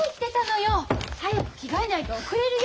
はやく着替えないと遅れるよ！